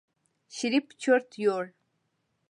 شريف چورت يوړ.